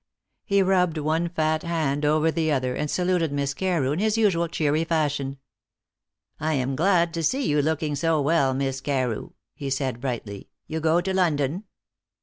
He rubbed one fat hand over the over, and saluted Miss Carew in his usual cheery fashion. "I am glad to see you looking so well, Miss Carew," he said brightly. "You go to London?"